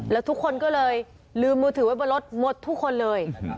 แล้วทุกคนก็เลยลืมมือถือไว้บนรถหมดทุกคนเลย